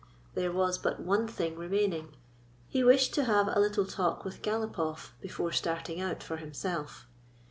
There was but one thing remaining. He wished to have a little talk with Galopoff before starting out for himself.